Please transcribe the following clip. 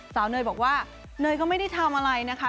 เนยบอกว่าเนยก็ไม่ได้ทำอะไรนะคะ